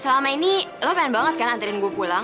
selama ini lo pengen banget kan antriin gue pulang